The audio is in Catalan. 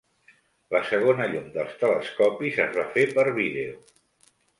La segona llum dels telescopis es va fer per vídeo.